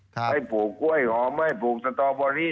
ให้ปลูกกล้วยหอมให้ปลูกสตอเบอรี่